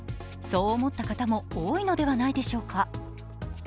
そう思った方も多いのではないでしょうか。